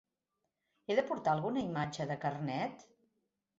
He de portar alguna imatge de carnet?